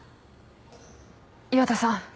岩田さん